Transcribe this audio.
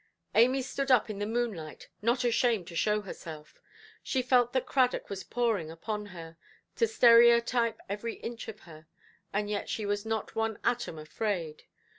Amy stood up in the moonlight, not ashamed to show herself. She felt that Cradock was poring upon her, to stereotype every inch of her; and yet she was not one atom afraid.